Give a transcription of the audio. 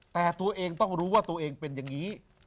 แต่ตัวเองต้องรู้ว่าตัวเองเป็นอย่างนี้